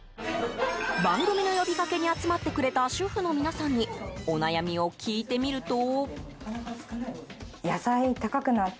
番組の呼びかけに集まってくれた主婦の皆さんにお悩みを聞いてみると。